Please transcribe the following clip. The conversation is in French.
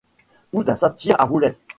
Ou d'un satyre à roulettes.